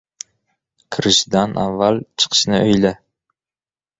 • Kirishdan avval chiqishni o‘yla.